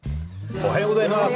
おはようございます。